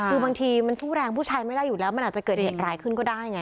คือบางทีมันสู้แรงผู้ชายไม่ได้อยู่แล้วมันอาจจะเกิดเหตุร้ายขึ้นก็ได้ไง